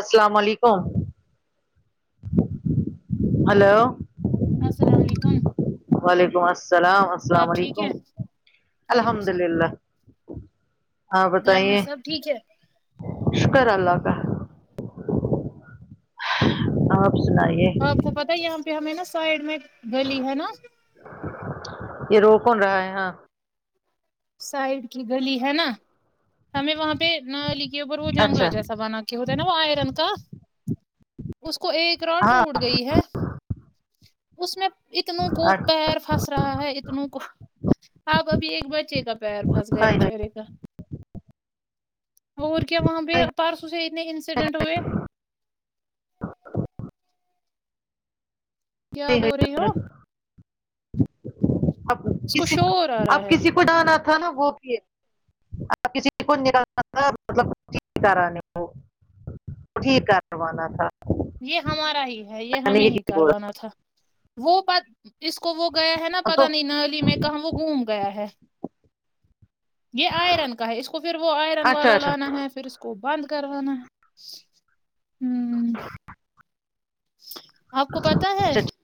السلام علیکم ہلو السلام علیکم وعلیکم الس سلام آپ السلام ٹھیک ہے علیکم وعلیکم الحمد السلام للہ آپ گھر میں بتائیے سب ٹھیک ہے شکر اللہ کا آپ سنائیے آپ کو پتا ہے یہاں پہ ہمیں نا سائڈ میں گلی ہے نا یہ رو کون رہا ہے ہاں سائڈ کی گلی ہے نا ہمیں وہاں پہ نالی کے اوپر وہ جانگلہ اچھا جیسا بنا کہ ہوتا ہے نا وہ آئرن کا اس کو ایک رؤڈ ہاں ٹوٹ گئی ہے اس میں اتنوں کو اچھا۔ پیر پھنس رہا ہے اتنوں کو اب ابھی ایک ب چی کا پیر پھس گیا ہائے بچ ہائے اری کا اور کیا وہاں پہ ہائے پرسوں سے اتنے انسیڈنٹ ہوئے کیا بول رہی ہو ہائے۔ اب اس کسی کو شور آ رہا اب ہے کسی کو ڈانا تھا نا وہ بھی ہے اب کسی [unintelligible] کو مطلب ٹھیک کرانے کو ٹھیک کروانا تھا یہ ہمارا ہی ہے یہ میں نے ہمیں ہی بولا کروانا تھا وہ بات اس کو وہ گیا ہے نا تو پتہ نہیں نالی میں کہاں وہ گم گیا ہے یہ آئرن کا ہے اس کو پھر وہ آئرن اچھا والا اچھا لانا ہے پھر اس کو کو بند کروانا ہے ہ آپ کو پتا ہے اچھا ٹھیک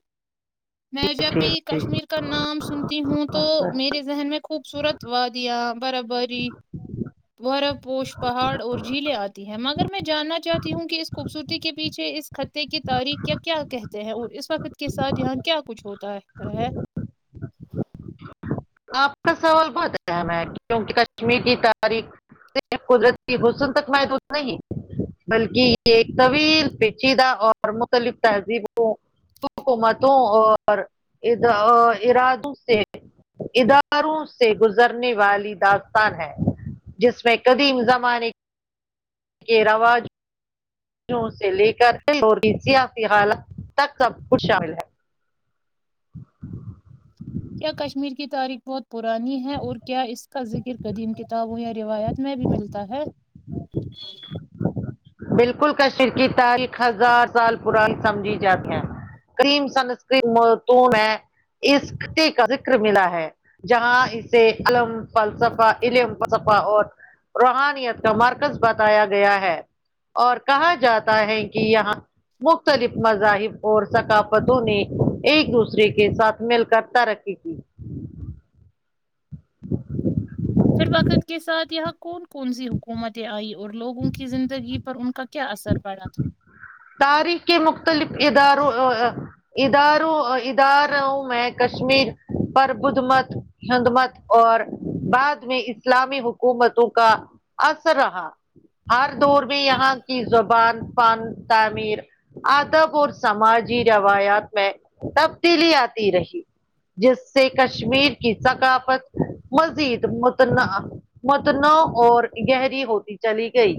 میں جب بھی ٹھیک کشمیر کا نام سنتی ہوں تو اچھا میرے ذہن میں خوبصورت وادیاں برف باری برف پوش پہاڑ اور جھیلیں آتی ہیں مگ ر میں جاننا چاہتی ہوں کہ اس خوبصورتی کے پیچھے اس خطے کی تاریخ کیا کیا کہ تے ہیں اور اس وقت کے ساتھ یہاں کیا کچھ ہوتا رہتا ہے آپ کا سوال بہت اچھا مہک کیوںکہ کشمیر کی تاریخ صرف قدرت کی حسن تک محدود نہیں بلکہ یہ ایک طویل پیچیدہ اور مختلف تہذیبوں حکومتوں اور اد ارادوں سے اداروں سے گزرنے والی داستان ہے جس میں قدیم زمانے کے رواج سے لے کر اور سیاسی حالت تک سب کچھ شامل ہے کیا کشمیر کی تاریخ بہت پرانی ہے اور کیا اس کا ذکر قدیم کتابوں یا روایات میں بھی ملتا ہے بالکل کشیر کی تاریخ ہزار سال پرانی سمجھی جات ہے کریم سن اسکم متون ہے اسک کا ذکر ملا ہے جہاں اسے الم فلسفا علم فسفا اور روحانیت کا مرکز بتایا گیا ہے اور کہا جاتا ہے کہ یہاں مختلف مذاہب اور ثقافتوں نے ایک دوسرے کے ساتھ مل کر ترقی کی پھر وقت کے ساتھ یہاں کون کون سی حکومتیں آئی اور لوگوں کی زندگی پر ان کا کیا اثر پڑا تھا تاریخ کے مختلف اداروں اداروں ادار ہوں میں کشمیر پر بدھ مت ہند مت اور بعد میں اسلامی حکومتوں کا اثر رہا ہر دور میں یہاں کی زبان فن تعمیر ادب اور سماجی روایات میں تبدیلی آتی رہی جس سے کشمیر کی ثقافت مزید متناع متنا اور گہری ہوتی چلی گئی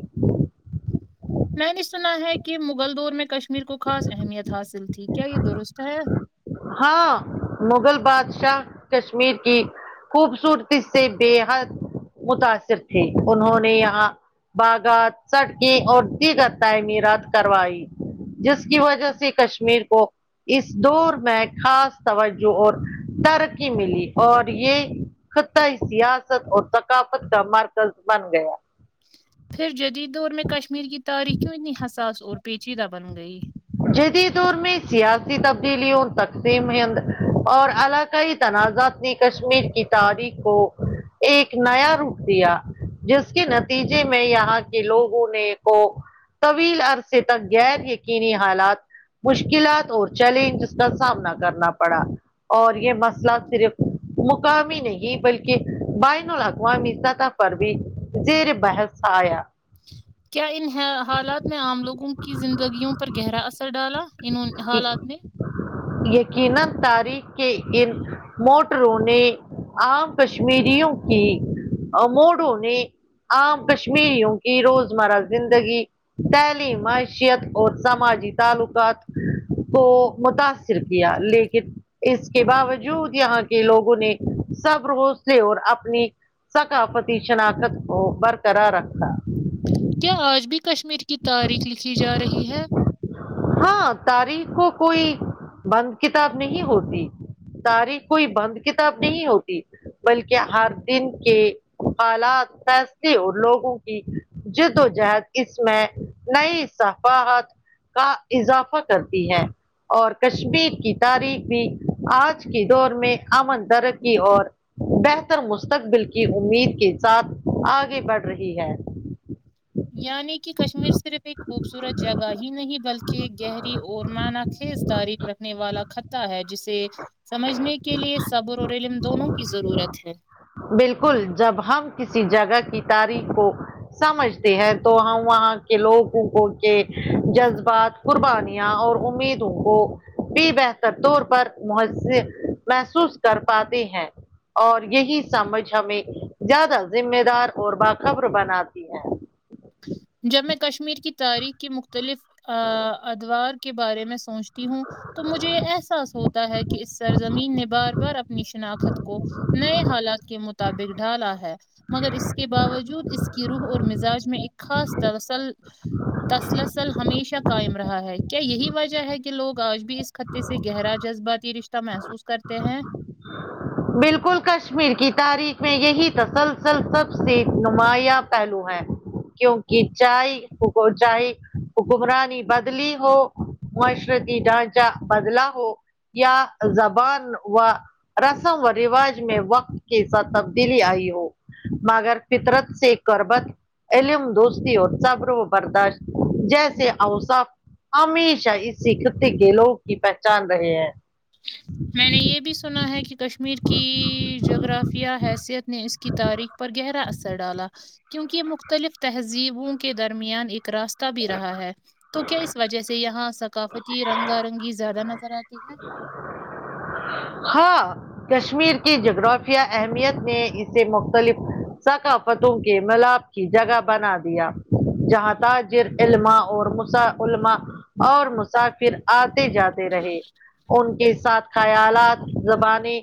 میں نے سنا ہے کہ مغل دور میں کشمیر کو خاص اہمیت حاصل تھی کیا یہ درست ہے ہاں مغل بادشاہ کشمیر کی خوبصورتی سے بےحد متاثر تھے انہوں نے یہاں باغات سٹکی اور دیگر تعمیرات کروائی جس کی وجہ سے کشمیر کو اس دور میں خاص توجہ اور ترقی ملی اور یہ خطائی سیاست اور ثقافت کا مرکز بن گیا پھر جدید دور میں کشمیر کی تاریخ کیوں اتنی حساس اور پیچیدہ بن گئی جدید دور میں سیاسی تبدیلیوں تقسیم ہند اور علاقائی تنازعات نے کشمیر کی تاریخ کو ایک نیا روپ دیا جس کے نتیجے میں یہاں کے لوگوں نے کو طویل عرصے تک غیر یقینی حالات مشکلات اور چیلنجز کا سامنا کرنا پڑا اور یہ مسئلہ صرف مقامی نہیں بلکہ بین الاقوامی سطح پر بھی زیر بحث آیا کیا ان حالات میں عام لوگوں کی زندگیوں پر گہرا اثر ڈالا ان ایک حالات نے یقینن تاریخ کے ان موٹروں نے عام کشمیریوں کی موڈوں نے عام کشمیریوں کی روزمرہ زندگی تعلیم معیشت اور سماجی تعلقات کو متاثر کیا لیکن اس کے باوجود یہاں کے لوگوں نے سب روس سے اور اپنی ثقافتی شناخت کو برقرار رکھا کیا آج بھی کشمیر کی تاریخ لکھی جا رہی ہے ہاں تاریخ کو کوئی بند کتاب نہیں ہوتی تاریخ کوئی بند کتاب نہیں ہوتی بلکہ ہر دن کے حالات فیصلے اور لوگوں کی جدوجہد اس میں نئی صفاحت کا اضافہ کرتی ہے اور کشمیر کی تاریخ بھی آج کے دور میں امن ترقی اور بہتر مستقبل کی امید کے ساتھ آگے بڑھ رہی ہے یعنی کہ کشمیر صرف ایک خوبصورت جگہ ہی نہیں بل کہ گہری اور معان خیز تاریخ رکھنے والا خطہ ہے جسے سمجھنے کے لیے صبر اور علم دونوں کی ضرورت ہے بالکل جب ہم کسی جگہ کی تاریخ کو سمجھتے ہیں تو ہم وہاں کے لوگ کو کے جذبات قربانیاں اور امیدوں کو بھی بہتر طور پر محض محسوس کر پاتی ہیں اور یہی سمجھ ہمیں زیادہ ذمہ دار اور باخبر بناتی ہے جب میں کشمیر کی تاریخ کے مختلف ادوار کے بارے میں سوچ تی ہوں تو مجھے یہ احساس ہوتا ہے کہ اس سرزمین نے بار بار اپنی شناخت کو نئے حالات کے مطابق ڈھالا ہے مگر اس کے باوجود اس کی روح اور مزاج میں ایک خاصل تواصل تسلسل ہمیشہ قائم رہا ہے کیا یہی وجہ ہے کہ لوگ آج بھی اس خطے سے گہرا جذباتی رشتہ محسوس کرتے ہیں بالکل کشمیر کی تاریخ میں یہی تسلسل سب سے نمایاں پہلو ہے کیونکہ چائے پک [unintelligible] چائے حکمرانی بدلی ہو معاشرتی ڈھانچہ بدلا ہو یا زبان و و رواج میں وقت کے ساتھ تبدیلی آئی ہو مگرر فترت سے کربت علم دوستی اور صبر و برداشت جیسے اوصاف ہمیشہ اسی خطے کے لوگ کی پہچان رہے ہیں میں نے یہ بھی سنا ہے کہ کشمیر کی جغرافیہ حیثیت نے اس کی تاریخ پر گہرا اثر ڈالا کیونکہ یہ مختلف تہذیبوں کے درمیان ایک راستہ بھی رہا ہے تو کیا اس وجہ سے یہاں ثقافتی رنگا رنگی زیادہ نظر آتی ہے ہاں کشمیر کی جغرافیہ اہمیت نے اسے مختلف ثقافتوں کے ملاپ کی جگہ بنا دیا جہاں تاج جر علما اور مسا علما اور مسافر آتے جاتے رہے ان کے ساتھ خیالات زبانیں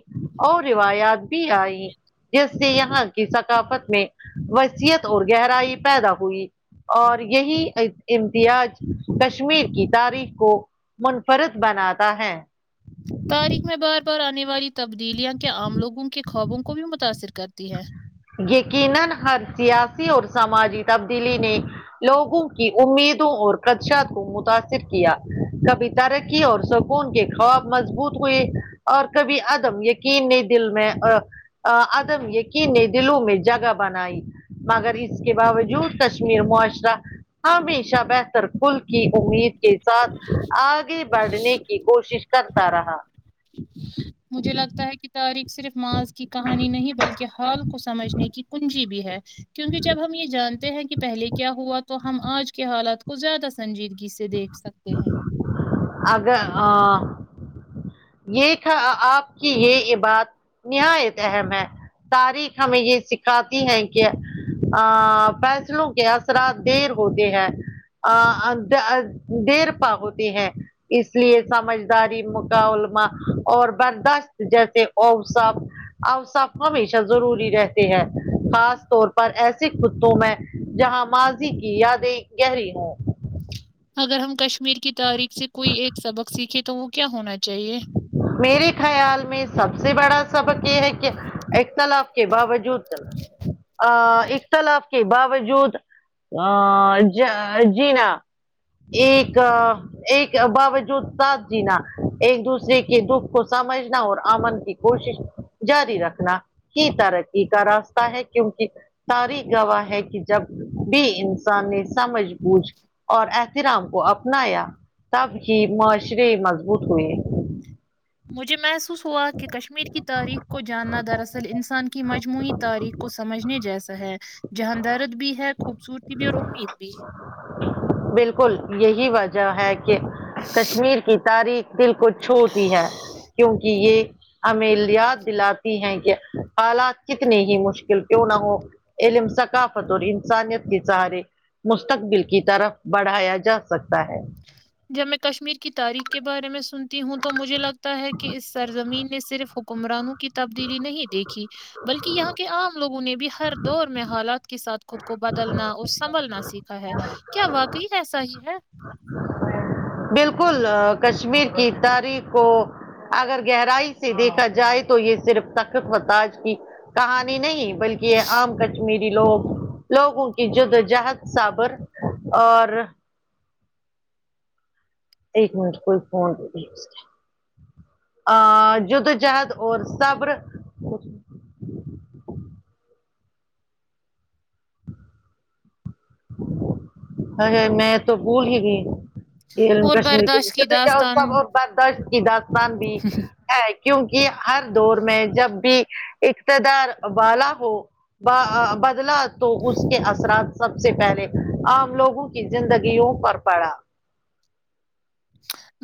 اور روایات بھی آئی جس سے یہاں کی ثقافت میں وصیت اور گہرائی پیدا ہوئی اور یہی امتیاز کشمیر کی تاریخ کو منفرد بناتا ہے تاریخ میں بار بار آنے والی تبدیلیاں کیا عام لوگوں کے خوابوں کو بھی متاثر کرتی ہے یقینا ہر سیاسی اور سماجی تبدیلی نے لوگوں کی امیدوں اور خدشات کو متاثر کیا کبھی ترق ی اور سکون کے خواب مضبوط ہوئے اور کبھی عدم یقین نہیں دل میں ا ا عدم یقین نے دلوں میں جگہ بنائی مگر اس کے باوجود کشمیر معاشرہ ہمیشہ بہتر کل کی امید کے ساتھ آگے بڑھنے کی کوشش کرتا رہا مجھے لگتا ہے کہ تاریخ صرف ماضی کی کہانی نہیں بلکہ حال کو سمجھنے کی کنجی بھی ہے کیونکہ جب ہم یہ جانتے ہیں کہ پہلے کیا ہوا تو ہم آج کے حالات کو زیادہ سنجیدگی سے د دیکھ سکتے ہیں اگر آ یہ تھا ا آپ کی یہ یہ بات نہایت اہم ہے تاریخ ہمیں یہ سکھاتی ہیں کہ ا فیصلوں کے اثرات دیر ہوتی ہے ا دیر پہ ہوتی ہے اس لیے سمجھداری مکمہ اور برداشت جیسے اوصاف اوصاف ہمیشہ ضروری رہتے ہیں خاص طور پر ایسے خطوں میں جہاں ماضی کی یادیں گہری ہوں اگر ہم کشمیر کی تاریخ سے کوئی ایک سبق سیکھیں تو وہ کیا ہونا چاہیے میرے خیال میں سب سے بڑا سبق یہ ہے کہ اخ تلاف کے باوجود ا اختلاف کے باوجود ا ج جینا ایک ایک باوجود ساتھ جینا ایک دوسرے کے دکھ کو سمجھنا اور امن کی کوشش جاری رکھنا ہی ترقی کا راستہ ہے کیونکہ تاریخ گواہ ہے کہ جب بھی انسان نے سمجھ بوجھ اور احترام کو اپنایا تب ہی معاشرے مضبوط ہوئے مجھے محسوس ہوا کہ کشمیر کی تاریخ کو جاننا دراصل انسان کی مجموعی تاریخ کو سمجھنے جیسا ہے جہاں درد بھی ہے خوبصورتی بھی اور امید بھی بالکل یہی وجہ ہے کہ کشمیر کی تاریخ دل کو چھوتی ہے کیونکہ یہ ہمیں یاد دلاتی ہیں کہ حالات کتنی ہی مشکل کیوں نہ ہو علم ثقافت اور انسانیت کے سہارے مستقبل کی طرف بڑھایا جا سکتا ہے جب میں کشمیر کی تاریخ کے بارے میں س نتی ہوں تو مجھے لگتا ہے کہ اس سرزمین نے صرف حکمرانوں کی تبدیلی نہیں دیکھی بلکہ یہاں کے عام لوگوں نے بھی ہر دور میں حالات کے ساتھ خود کو بدلنا اور سنبھلنا سیکھا ہے کیا واقعی یہ سچ ہے بالکل کشمیر کی تاریخ کو اگر گہرائی سے دیکھا جائے تو یہ صرف تخت فتاج کی کہانی نہیں بلکہ یہ عام کشمیری لوگ لوگوں کی جدوجہد صبر اور ایک منٹ کوئی فون کیا اس نے ا جدو جہد اور صبر ہے ہے میں تو بھول ہی گی اور کشمیر کے برداشت کی داستان [unintelligible] کی داستان بھی ہے کیونکہ ہر دور میں جب بھی اقتدار والا ہو با آ بدلا تو اس کے اثرات سب سے پہلے عام لوگوں کی زندگیوں پر پڑا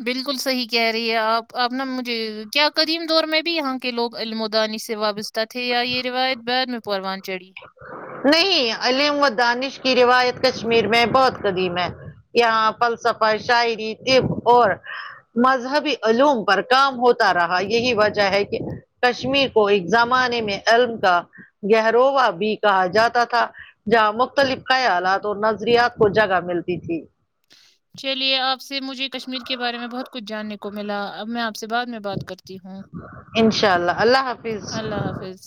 بالکل صحیح کہہ رہی ہے آپ آپ نا مجھے کیا قدیم دور میں بھی یہاں کے لوگ علمودانی سے وابستہ تھے یا یہ روایت بعد میں پروان چڑھی نہیں علیم و دانش کی روایت کشمیر میں بہت قدیم ہے یہاں فلسفہ شاعری طب اور مذہبی علوم پر کام ہوتا رہا یہی وجہ ہے کہ کشمیر کو ایک زمانے میں علم کا گہوارا بھی کہا جاتا تھا جہاں مختلف خیالات اور نظریات کو جگہ ملتی تھی چلیے آپ سے مجھے کشمیر کے بارے میں بہت کچھ جاننے کو ملا اب میں آپ سے بعد میں بات کرتی ہوں انشاء اللہ اللہ حاف اللہ حافظ